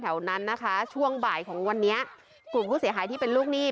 แถวนั้นนะคะช่วงบ่ายของวันนี้กลุ่มผู้เสียหายที่เป็นลูกหนี้